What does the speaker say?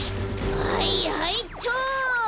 はいはいっちょ！